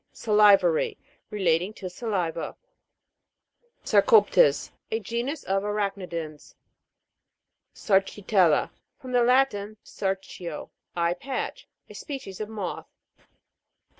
SA'LIVARY. Relating to saliva. SARCOP'TES. A genus of arachni dans. SARCITEL'LA. From the Latin, sarcio, I patch. A genus of moths.